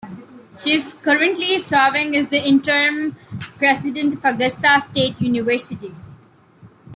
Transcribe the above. She is currently serving as the interim president of Augusta State University.